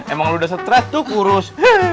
emang udah stres tuh kurus